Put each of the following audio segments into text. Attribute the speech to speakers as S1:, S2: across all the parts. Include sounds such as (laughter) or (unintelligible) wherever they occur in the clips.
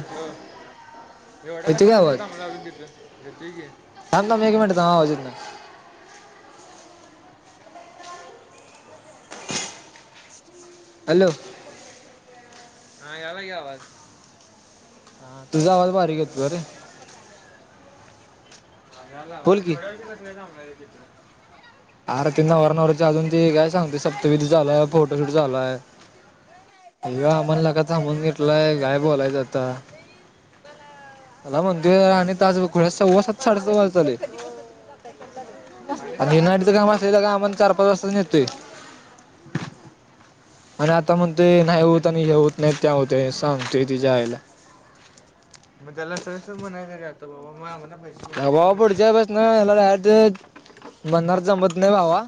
S1: Hello! एवढा
S2: येतोय
S1: कसा
S2: का
S1: उशीर
S2: आवाज
S1: थांबला हुता तिथं, ईतुय की
S2: थांब थांब एक मिनिटं थांब, आवाज येत नाही. हॅलो.
S1: हा यालाय कि आवाज.
S2: हा तुझा आवाज बारीक येतोय रे.
S1: हां यालाय
S2: बोल
S1: आवाज,
S2: की
S1: एवढ्या उशीर कसं काय थांबलाय तिथं.
S2: आरं ते नवऱा नवरीचं अजून ते काय सांगतूय सप्तविधी चालूआय, फोटोशूट चालूआय. ह्यो आमाला लगा थांबवून घेतलाय, काय बोलायचं आता. मला म्हणतूय खूळ्या सव्वा सात साडे सात वाजत आलय. आणि नाईटच काम असलं की लगा आमानां चार पाच वाजताच नेतय. आणि आता म्हणतोय नाही
S1: मग ते
S2: होत आणि हे होत नाही त्याव होतय, सांगतूय तच्या आईला.
S1: मग त्याला सहस म्हणायचं नाही काय, बाबा पैसे
S2: जा
S1: पडून
S2: बाबा
S1: म्हणायचा
S2: पुढच्या बस हला म्हणनार डायरेक्ट जमत नाही भावा,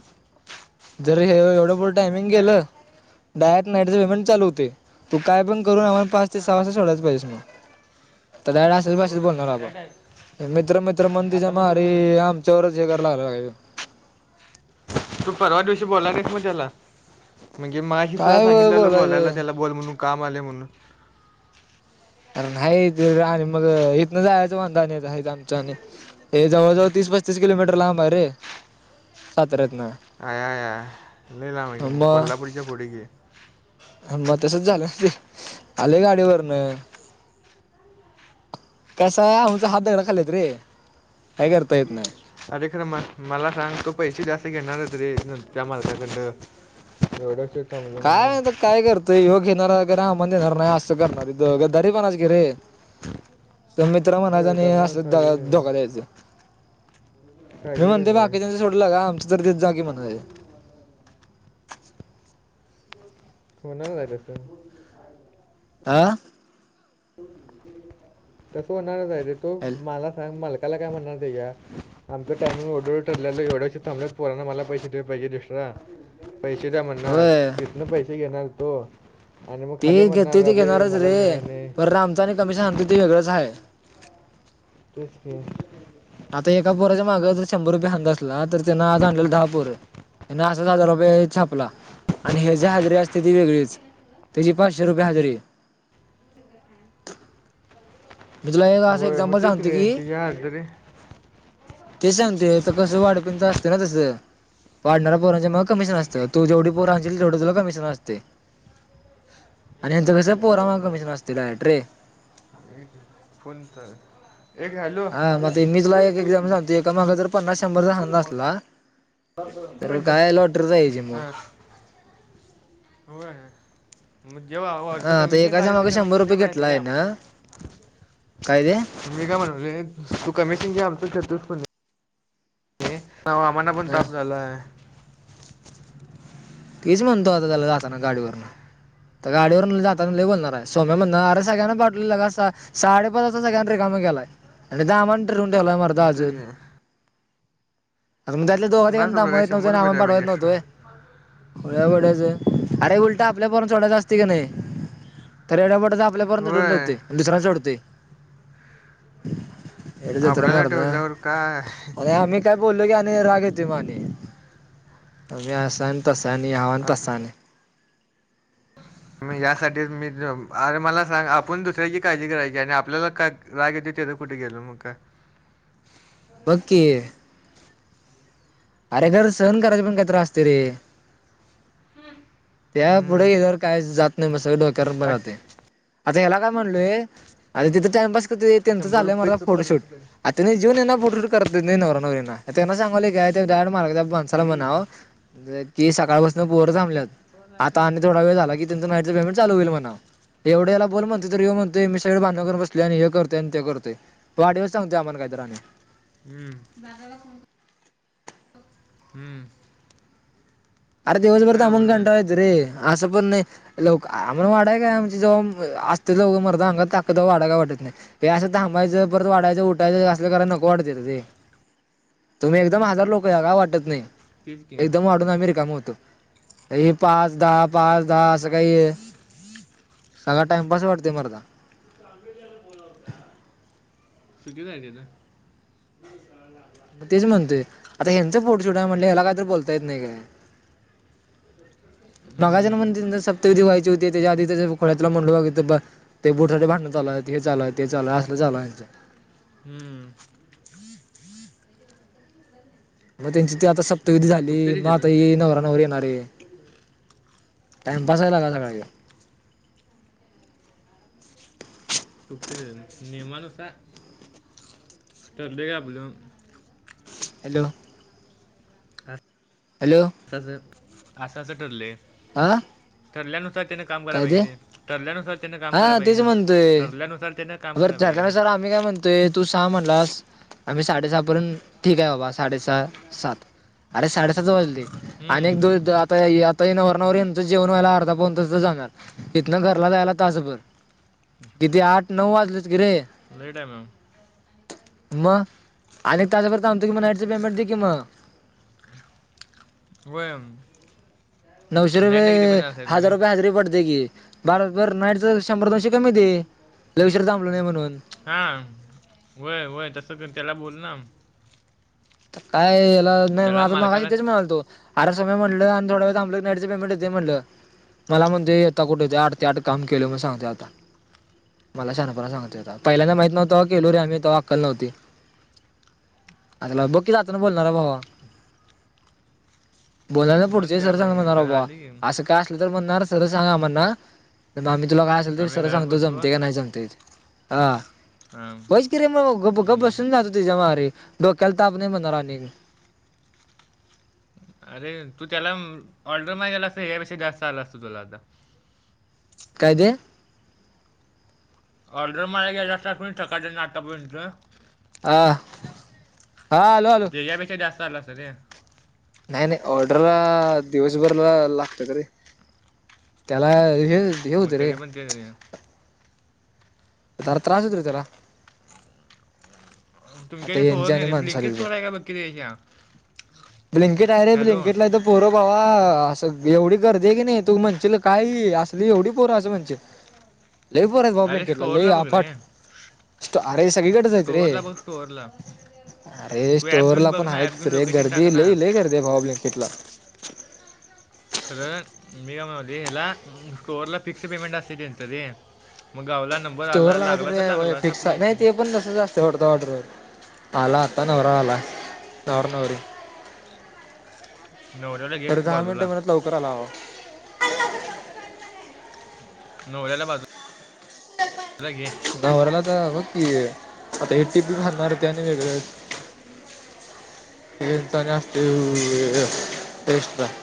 S2: जर हे एवढ्या पा टायमिंग
S1: टाइम
S2: गेलं डायरेक्ट नाईट चं पेमेंट चालू हुतय, तू काय पण करून आम्हाला पाच ते
S1: हा
S2: सहा वाजेपर्यंत सोडायलाच पाहिजे मग. आता डायरेक्ट असच भाषेत
S1: हो
S2: बोलणार आबा.
S1: त्या टाइम
S2: मित्र मित्र म्हणून तच्या
S1: आता मग
S2: मारी
S1: तुम्ही
S2: आमच् यावरच हे करा लागला ह्यो.
S1: तू पगार दिवशी बोला नाहिस म त्याला, म्हणजे मगाशी तुला
S2: काय
S1: सांगितलेलो बोलायला
S2: बोलायचं
S1: त्यला. बोल म्हणून काम आलय म्हणून.
S2: आरं नाही, आणि मग इथनं जायचं वांद आणि हजं आमचं आणि हे जवळजवळ तीस पस्तीस किलोमीटर लांब हाय रे, साताऱ्यातनं.
S1: आयायाया, लय लांब हाय की, कोल्हापूरच्या पुढं की.
S2: हां मग तसंच झालं, आलोय गाडीवरन. कसाय आमचा हात दगडा खाली हाईत रे, काय करता येत नाही.
S1: अरे खरं म मला सांग तू पैसे जास्त घेणारच रे, त्या मालकाकडंनं. एवढं श. (unintelligible)
S2: काय माहित काय करतोय यो घेणार आम्हाला देणार नाही, असं करणार गद्दारी पणा कि रे. मित्र म्हणायचं
S1: होय
S2: आणि
S1: करणार
S2: असं
S1: काळजी
S2: दगा
S1: घेणार
S2: धोका द्यायचं. मी
S1: काळजी
S2: म्हणतोय
S1: कसं आहे
S2: बाकीच्यांचा सोडलं लगा आमचं तर देत जा की म्हणायलं.
S1: होणार काय तसं.
S2: हां.
S1: तसं होणारच हाय रे, तू मला सांग मालकाला काय म्हणणार त्याच्या. आमचा टाइमिंग एवढं एवढं ठरलेलं, एवढ्या उशीर थांबलंत पोरांना आमाला पैसे दिले पाहिजेत एश्ट्रा.. पैसे द्या म्हणणार,
S2: होय
S1: तिथनं पैसे घेणार हूतो. आणि मग खाली
S2: ते घेतोय
S1: म्हणणार,
S2: ते
S1: अरे
S2: घेणारच
S1: मला
S2: रे.
S1: मिळाय नाही.
S2: पर आमचं आणि कमीशन आनतोय ते वेगळंच हाय.
S1: तेच की.
S2: आता एका पोराच्या मागं जर शंभर रुपये हंग असला, तर त्यनं आज आणलेलं दहा पोरं. त्यन असच हजार रुपये छापला, आणि ह्यजी हजरी असत्या ती वेगळीच. त्यची पाचशे रुपये हजरी.
S1: (unintelligible)
S2: मी तुला एक असं
S1: होय मग
S2: एक्झाम्पल
S1: तेच
S2: सांगतो
S1: रे
S2: की
S1: तिच्या हात रे
S2: ते सांगते तर, कसं वाढप्यांच असतंना तसं, वाढणारा पोरांच्या मागं कमिशन असतं. तू जेवडी पोरं आनशील तेवडं तुला कमिशन असतय, आनी यांचं
S1: फोन घे,
S2: कसं पोरा
S1: दादा फोन
S2: मागं कमिशन अस डायरेक्ट रे
S1: (unintelligible) फोन कर, एगे हॅलो,
S2: हा
S1: हॅलो
S2: मग ते मी तुला
S1: बोलकी
S2: एक
S1: बोलकी
S2: एक्झाम्पल सांगतो एका मागं जर पन्नास शंभरचा
S1: तु
S2: धंदा असला
S1: एक
S2: तर
S1: मिनीटं,
S2: काय लॉटरी जायची मग
S1: हां, होय. मग जेव्हा अर्ध
S2: हा आता
S1: कमिशन
S2: एकाच्या
S1: खातय
S2: मागे
S1: ते
S2: शंभर
S1: कमिशन दे
S2: रुपये
S1: म्हणायचं रे आमासनी.
S2: कायते?
S1: मी काय मनायलोय, तू कमिशन घे आमचं (unintelligible) हां, मग आम्हाना पण
S2: ह
S1: ताप झालाय.
S2: तेच मनतो आता त्यला जाताना गाडीवरनं. आता गाडीवरनं जाताना लै बोलणार आए, सोम्या मननार अरे सगळ्यांना पाठलेलं लगा सा साडेपाच वास्ता सगळ्यांना रीकामं केलाय, आनी दामन धरून ठेवलाय मर्दा
S1: तेच
S2: अजून.
S1: घे
S2: त्या दोगा तिगांना थांबवाय येत नव्हतं आणि आमानां पाटवाय येत नव्हतं वय.
S1: (unintelligible) हां.
S2: खुळ्याबोड्याचं,, आरे उलटं आपल्या पोराना सोडायचं आस्तय का नई, तर येड्याबोड्याच आपल्या पोरांना धरून
S1: होय
S2: ठेवतय आणि दूसर्यानां सोडतय. येडजत्रा
S1: आपल्याला
S2: मर्दा,,
S1: ठेवल्यावर काय
S2: आणि आमी काय बोल्लो की आनी राग येतो म आनी, तुमि असान तसा आणि यावा
S1: आप-
S2: तसानं. (inaudible)
S1: मी यासाटी मी, अरे मला सांग आपन दुसऱ्याची काळजी करायची, आनी आपल्याला काय राग एतय तेजं कुटं गेलं मग काय.
S2: बगकी. आरे घर सहन करायच पन काय तर आस्तय रे.
S1: हन
S2: त्या पूडं गेल्यावर काई जात नइ म स डोक्यारून पन जातय.
S1: अश-
S2: आता याला काय मनलोय आता तिथं टाइमपास करतय त्यांचं
S1: शंभर
S2: चाल्लय मर्दा
S1: रुपयेच
S2: फोटोशूट
S1: पन्नास रुपये
S2: त्यानी जेऊन येना फोटोशूट करत नवरा नवरीना त्यांना सांगालोय काय काय ते मार त्या मानसाला
S1: लगे घेते
S2: मनाव ती सकाळपस्नं पोरं थांबल्यात. आता आणि थोडा वेळ
S1: (unintelligible)
S2: तेवडं याला बोल मनतो तरी ह्यो मनतोय मी सगळं भांड्नं करून बसलोय आनी हे करतय आनी ते करतयय. तो वाडिव सांगतोय आमाला काईतरी आनी.
S1: हम् हम्म
S2: आरे दिवसभर
S1: काय
S2: थांबून
S1: अवघड आहे
S2: कंटाळा येतो रे असं पन नइ लोक आम वाडाय काय आमची जेव असते लोक मर्दा अंगा ताव वाडाय वाटत नाई. हे असं थांबायंचं परत वाडायंचं उठायचं असंलं कराय नको. (unintelligible) काय वाटत नाई
S1: तेच की
S2: (unintelligible) -म होतं हे पाच दहा पाच दहा स काई सगळा टाइमपास वाटतोय मरदा.
S1: तू त अंबेडयाला बोला होता. चुकि झाली न.
S2: म तेच म्हनतोय, आता ह्यांचं फोटोशूट आहे म्हटल्याव ह्याला काही त बोलता येत नाई काय? मघाजन मंदींत
S1: हम्म
S2: सप्तविधी व्हायची होती त्याच्या आधी त खुळ्या तुला म्हंणलो बघ हितं ब ते बुथडे भांडण चालुय त हे चालुय ते चालुय असलं चालुय ह्यांचं.
S1: हम्म.
S2: म त्यांची ती आता सप्तविधी झाली
S1: चुकते
S2: म आता
S1: तिथून
S2: ही नवरा नवरी येणारे. टाइमपास हाय लेका सगळा ह्यो.
S1: (unintelligible) नियमानुसार ठरलंय आपलं.
S2: हॅलो. हॅलो.
S1: असं असं ठरलंय.
S2: आं.
S1: ठरल्यानुसार त्यानं काम करा पायजे रे ठरल्यानुसार त्यांन काम कराय पायजे न ठरल्यानुसार त्यांन-
S2: बर त्याच्यानुसर आम्ही काय म्हणतोय तू सहा म्हणलास आम्ही साडे सहा पर्यंत ठीक आहे बा बास साडे सहा सात अरे साडे सात वाजले आणि एक दो
S1: हम्म
S2: दा आता यात त ये नवरा नवरी यांचं जेवण व्हायला अर्धा पाऊन तास तं जाणार इथनं घरला जायला तासभर. किती आठ नऊ वाजलेत की रे.
S1: लय टाईम हाय म.
S2: म अनीक तासभर थांबतो की म नाईटच पेमेंट दे की म.
S1: व्हय.
S2: नऊशे रुपे हजार रुपये हाजरी पडते की बाराबर नाईट त शंभर दोनशे कमी दे लई उशिरा थांबलो नाय म्हणून.
S1: हा व्हय व्हय तसं कर त्याला बोल ना.
S2: आता काय याला नाई
S1: त्याला
S2: माझं मगाशी
S1: मालकाला
S2: तेच म्हणाल्तो. (unintelligible) मला म्हणतोय आता कुठं ते आठ ते आठ काम केलं म सांग ते आता. मला शानपणा सांगातोय् आता पहिल्यांदा माईत नव्ह तवा केलं रे आम्ही तवा अक्कल नव्हती. आता लगा बघ की जाताना बोलणार भावा. बोलायला
S1: मन
S2: पुढचे
S1: द्या
S2: सर चांगलं
S1: पाहिजे
S2: म्हणार बाबा
S1: झाली की
S2: असं काय- (unintelligible) असल
S1: आम्ही
S2: सर
S1: घरात
S2: सांगतो
S1: बसतो
S2: जमते का नाही सांगते हा.
S1: हा.
S2: व्हईच की रे मग ग् गप्प
S1: हम्म.
S2: बसुून जात होती. तेज्या मारी! डोक्याल ताप नाही म्हनणार आणि.
S1: अरे तू त्याला ऑर्डर मागायला गेला. असत यापेक्षा जास्त आला असतो तुला आता.
S2: काय? ते.
S1: ऑर्डर माराच गेला आसताच सकाळपस्न आतापर्यंत.
S2: आ.
S1: त्येज्या पेक्षा जास्त आलं असतं ते.
S2: काय नाही ऑर्डर दिवसभरला लागतेत रे. त्याला हे- हे होतं रे
S1: (unintelligible)
S2: जरा त्रास होतोय त्याला. आता
S1: तुमच्याकड स्टोअर
S2: यांच्या आणि
S1: नाही का? ब्लिंकिट
S2: माणसाला
S1: स्टोअर आहे का बघ की तेज्या.
S2: ब्लिंकइट आहे रे ब्लिंकेटला इथं. पोरं बाबा असं एवढी गर्दी! आहे की नाही तू म्हणचल काही असली एवढी पोरं असं म्हणच- लयं पोर हायती बाबा
S1: अरे
S2: ब्लिंकितला लय
S1: स्टोअरला बघ
S2: अफाट.
S1: रे
S2: अरे सगळीकडंच हाईत रे.
S1: स्टोअरला बघ स्टोअरला
S2: अरे
S1: तू ॲप घेऊन
S2: स्टोअरला
S1: बघ
S2: पण
S1: ना ॲप
S2: हाईत
S1: घेऊन
S2: रे
S1: लोकेशन टाक
S2: गर्दी
S1: ना
S2: लई लई गर्दी आहे भावा ब्लिंकेटला.
S1: खरं मी काय म्हणालोय स्टोअरला फिक्स पेमेंट असतं रे. मग घावला नंबर
S2: स्टोअर
S1: आला
S2: लाग
S1: लागला तर लागला.
S2: फिक्स
S1: सपला विषय.
S2: (unintelligible) (unintelligible) आला आता नवरा आला नवरा नवरी.
S1: नवऱ्याला घे
S2: तरी दहा मिनट
S1: बाजूला
S2: म्हणत लवकर आला बाबा.
S1: नवऱ्याला बाजू-
S2: (unintelligible)
S1: (unintelligible)
S2: नवऱ्याला आता तर बघ की आता इ टी बी घालणारते आणि वेगळच. विचार असतु ट्रस्टचा (unintelligible)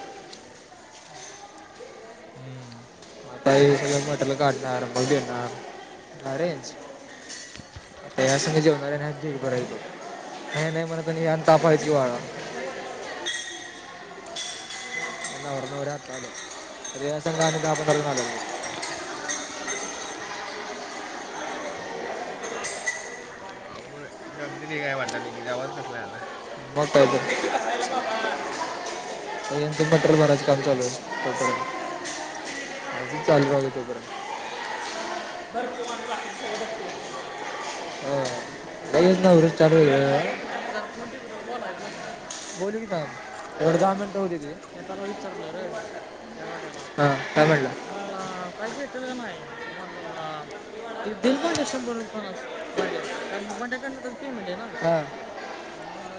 S1: हम्म.
S2: आता सगळ मटेरेल काढणार. मग घेणार अरेच. तास म जेवणाऱ्या नाही जे करायचो हे नाही म्हण तनी यान तापायची वाळा (unintelligible) नवरा नवरी आत्ता आल्यात बघ त्यासंग आणि दहा, पंधरा जण आल्यात.
S1: अवघड आहे. गर्दी लय हाय वाटलंयं की रे आवाज कसला आला.
S2: मोठा (unintelligible) ह्यांचं मट्रेल भराच काम चालू आहे. चालू राहू द्या तोपर्यंत. (inaudible) (unintelligible) बोल की काय? एवढे दहा मिनिटं होऊ दे की येताना विचारलं रं. हा काय पाहिजे काय भेटल का नाही. हा दिल लक्षंभरूनणाण्याकी म्हणज ना (unintelligible) (unintelligible) (inaudible)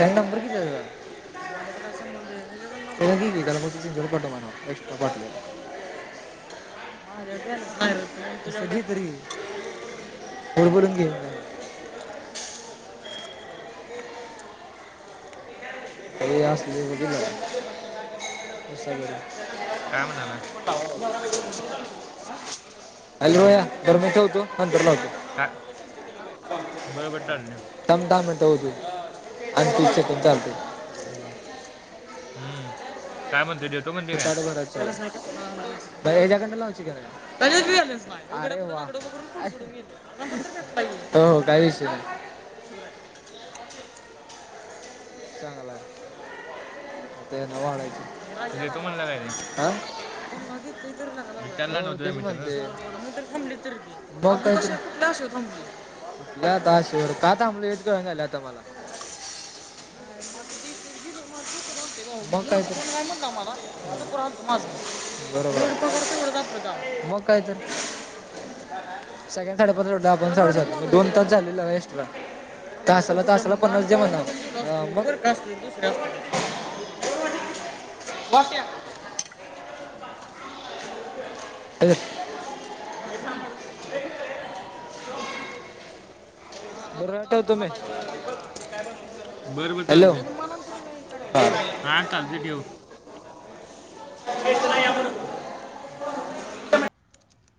S2: ताई नंबर किती? आहे तुझा. (unintelligible) एक्स्ट्रा पाठवा माझ्या ध्यानात नाही रं (unintelligible) ए असलं बिल आहेत सगळेच.
S1: काय? म्हणाला
S2: हॅलो भैय्या बरं मी ठेवतो नंतर लावतो.
S1: काय बरं बरं चालतंय.
S2: थांब, थांब मी ठेवतो. आणि तीस सेकंद चालतंय.
S1: ् हम्म काय म्हणतोय देतो म्हणते काय?
S2: भैय्या ह्याच्याकडनं लॉजिक आहे. हेजत बॅलन्स नाही अरे वा तो काय विषय नाही. चांगला आहे त्येनां वाढायची.
S1: देतो म्हणला काय रे
S2: ह
S1: विचारला
S2: हो
S1: नव्हता
S2: तेच
S1: मित्र
S2: म्हणते. थांबली तर कोणता विषय कोणत्या आशे वर थांबली. याच आशेवर का? थांबली हित कळना झालय आता मला. (unintelligible) मग काय तर काय? म्हणला मला. बरोबर मग काय तर. सगळ्यांना साडेपाचला सोडला आपण साडेसात दोन तास झालेला एक्स्ट्रा. तासाला तासाला पन्नास दे म्हणाव. वाट्या. (unintelligible) बरं ठेवतो मी.
S1: बरं बरं
S2: हॅलो
S1: चालते
S2: हां
S1: हा चालते ठेव.
S2: (inaudible)